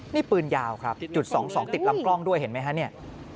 นี่ปืนยาวครับจุด๒๒ติดลำกล้องด้วยเห็นไหมฮะเนี่ย